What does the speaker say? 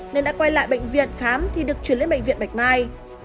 nên đã quay lại bệnh viện khám thì được chuyển lên bệnh viện bạch mai